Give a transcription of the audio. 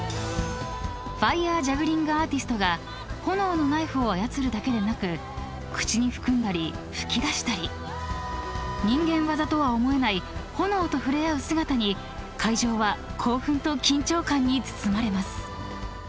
［ファイヤージャグリングアーティストが炎のナイフを操るだけでなく口に含んだり吹き出したり人間業とは思えない炎と触れ合う姿に会場は興奮と緊張感に包まれます］